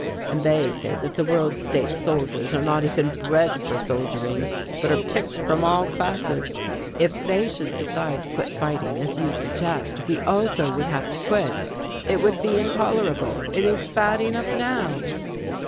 And they say that the World State soldiers are not even bred for soldiering but are picked from all classes. If they should decide to quit fighting, as you suggest, we also would have to quit it would intolerable it is bad enough now."